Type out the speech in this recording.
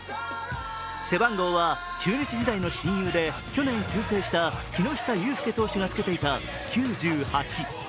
背番号は中日時代の親友で、去年急逝した木下雄介投手がつけていた９８。